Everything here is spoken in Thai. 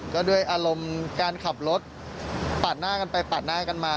ก็ด้วยอารมณ์การขับรถปาดหน้ากันไปปาดหน้ากันมา